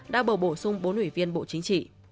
đã bầu bổ sung bốn ủy viên bộ chính trị